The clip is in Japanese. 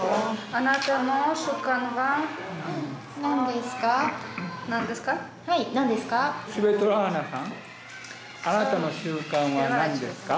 あなたの習慣は何ですか？